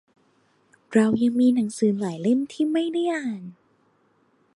เรายังมีหนังสือหลายเล่มที่ไม่ได้อ่าน